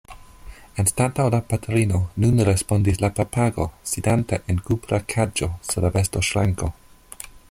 Anstataŭ la patrino, nun respondis la papago, sidanta en kupra kaĝo sur la vestoŝranko.